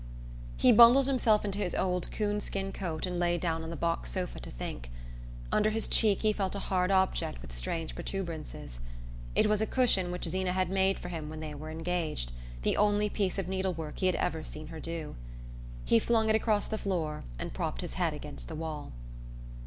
He bundled himself into his old coon skin coat and lay down on the box sofa to think. Under his cheek he felt a hard object with strange protuberances. It was a cushion which Zeena had made for him when they were engaged the only piece of needlework he had ever seen her do. He flung it across the floor and propped his head against the wall...